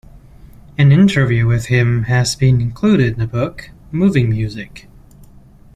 An interview with him has been included in the book "Moving Music".